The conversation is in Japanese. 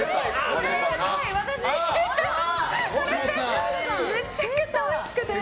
これ、めちゃくちゃおいしくて。